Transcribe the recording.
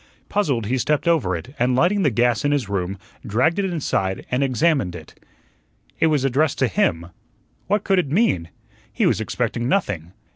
Puzzled, he stepped over it, and lighting the gas in his room, dragged it inside and examined it. It was addressed to him. What could it mean? He was expecting nothing.